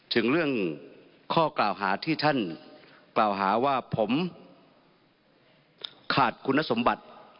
ถึงเรื่องข้อกล่าวหาที่ท่านกล่าวหาว่าผมขาดคุณสมบัติ